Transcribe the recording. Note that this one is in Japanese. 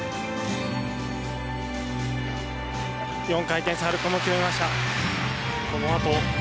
４回転サルコウも決めました。